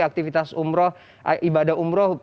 aktivitas umroh ibadah umroh